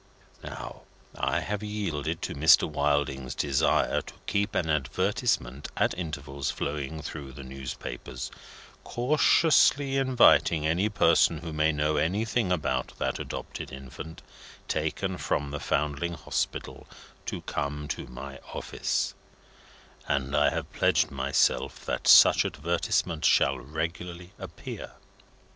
Now, I have yielded to Mr. Wilding's desire to keep an advertisement at intervals flowing through the newspapers, cautiously inviting any person who may know anything about that adopted infant, taken from the Foundling Hospital, to come to my office; and I have pledged myself that such advertisement shall regularly appear.